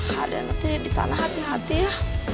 haden nanti disana hati hati ya